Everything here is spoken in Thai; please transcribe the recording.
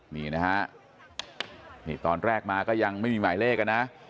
นี่นะฮะนี่ตอนแรกมาก็ยังไม่มีหมายเลขนะ